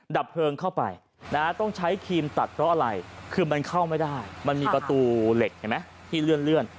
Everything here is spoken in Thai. ดับเพลิงเข้าไปต้องใช้ครีมตัดเพราะอะไรคือมันเข้าไม่ได้มันมีประตูเหล็กเห็นไหมที่เลื่อน